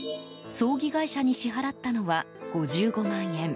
葬儀会社に支払ったのは５５万円。